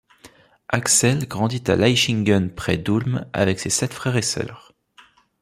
Aksel grandit à Laichingen près d'Ulm avec sept frères et sœurs.